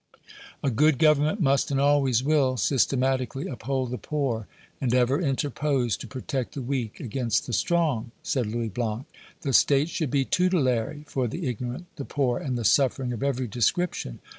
"A good government must and always will systematically uphold the poor, and ever interpose to protect the weak against the strong," said Louis Blanc. "The state should be tutelary for the ignorant, the poor and the suffering of every description.